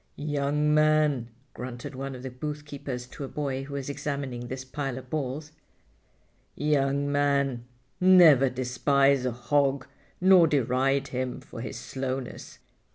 "Young man," grunted one of the boothkeepers to a boy who was examining this pile of balls, "young man, never despise a hog nor deride him for his slowness.